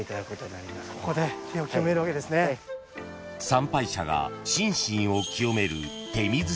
［参拝者が心身を清める］